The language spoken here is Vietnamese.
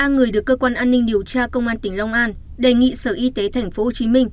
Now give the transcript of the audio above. ba người được cơ quan an ninh điều tra công an tỉnh long an đề nghị sở y tế tp hcm